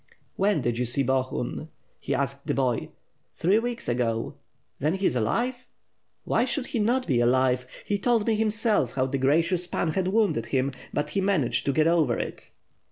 "When did you see Bohun?" he asked the boy. "Three weeks ago." "Then he is alive?" "Why should he not be alive? He told me himself how the gracious Pan had wounded him, but he managed to get over it.